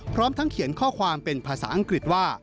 พร้อมทั้งเขียนข้อความเป็นภาษาอังกฤษว่า